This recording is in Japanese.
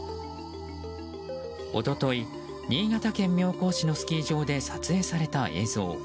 一昨日新潟県妙高市のスキー場で撮影された映像。